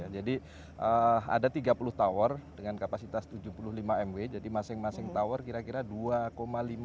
jadi ada tiga puluh tower dengan kapasitas tujuh puluh lima mw jadi masing masing tower kira kira dua lima mw